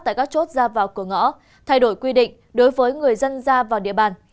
tại các chốt ra vào cửa ngõ thay đổi quy định đối với người dân ra vào địa bàn